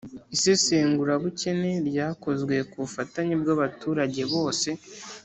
isesengurabukene ryakozwe ku bufatanye bw'abaturage bose